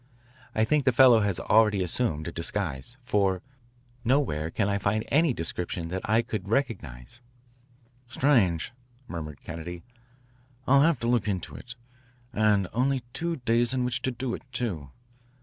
I think the fellow has already assumed a disguise, for nowhere can I find any description that even I could recognise." "Strange," murmured Kennedy. "I'll have to look into it. And only two days in which to do it, too.